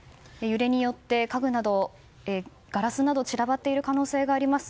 揺れによって家具ガラスなどが散らばっている可能性があります。